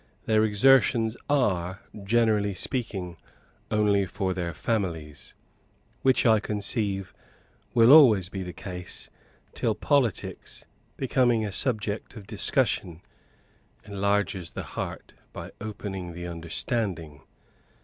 Their exertions are, generally speaking, only for their families, which, I conceive, will always be the case, till politics, becoming a subject of discussion, enlarges the heart by opening the understanding.